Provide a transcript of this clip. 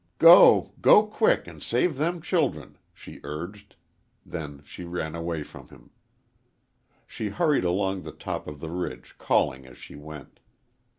"Go, go quick, an' save them childern!" she urged. Then she ran away from him. She hurried along the top of the ridge, calling as she went.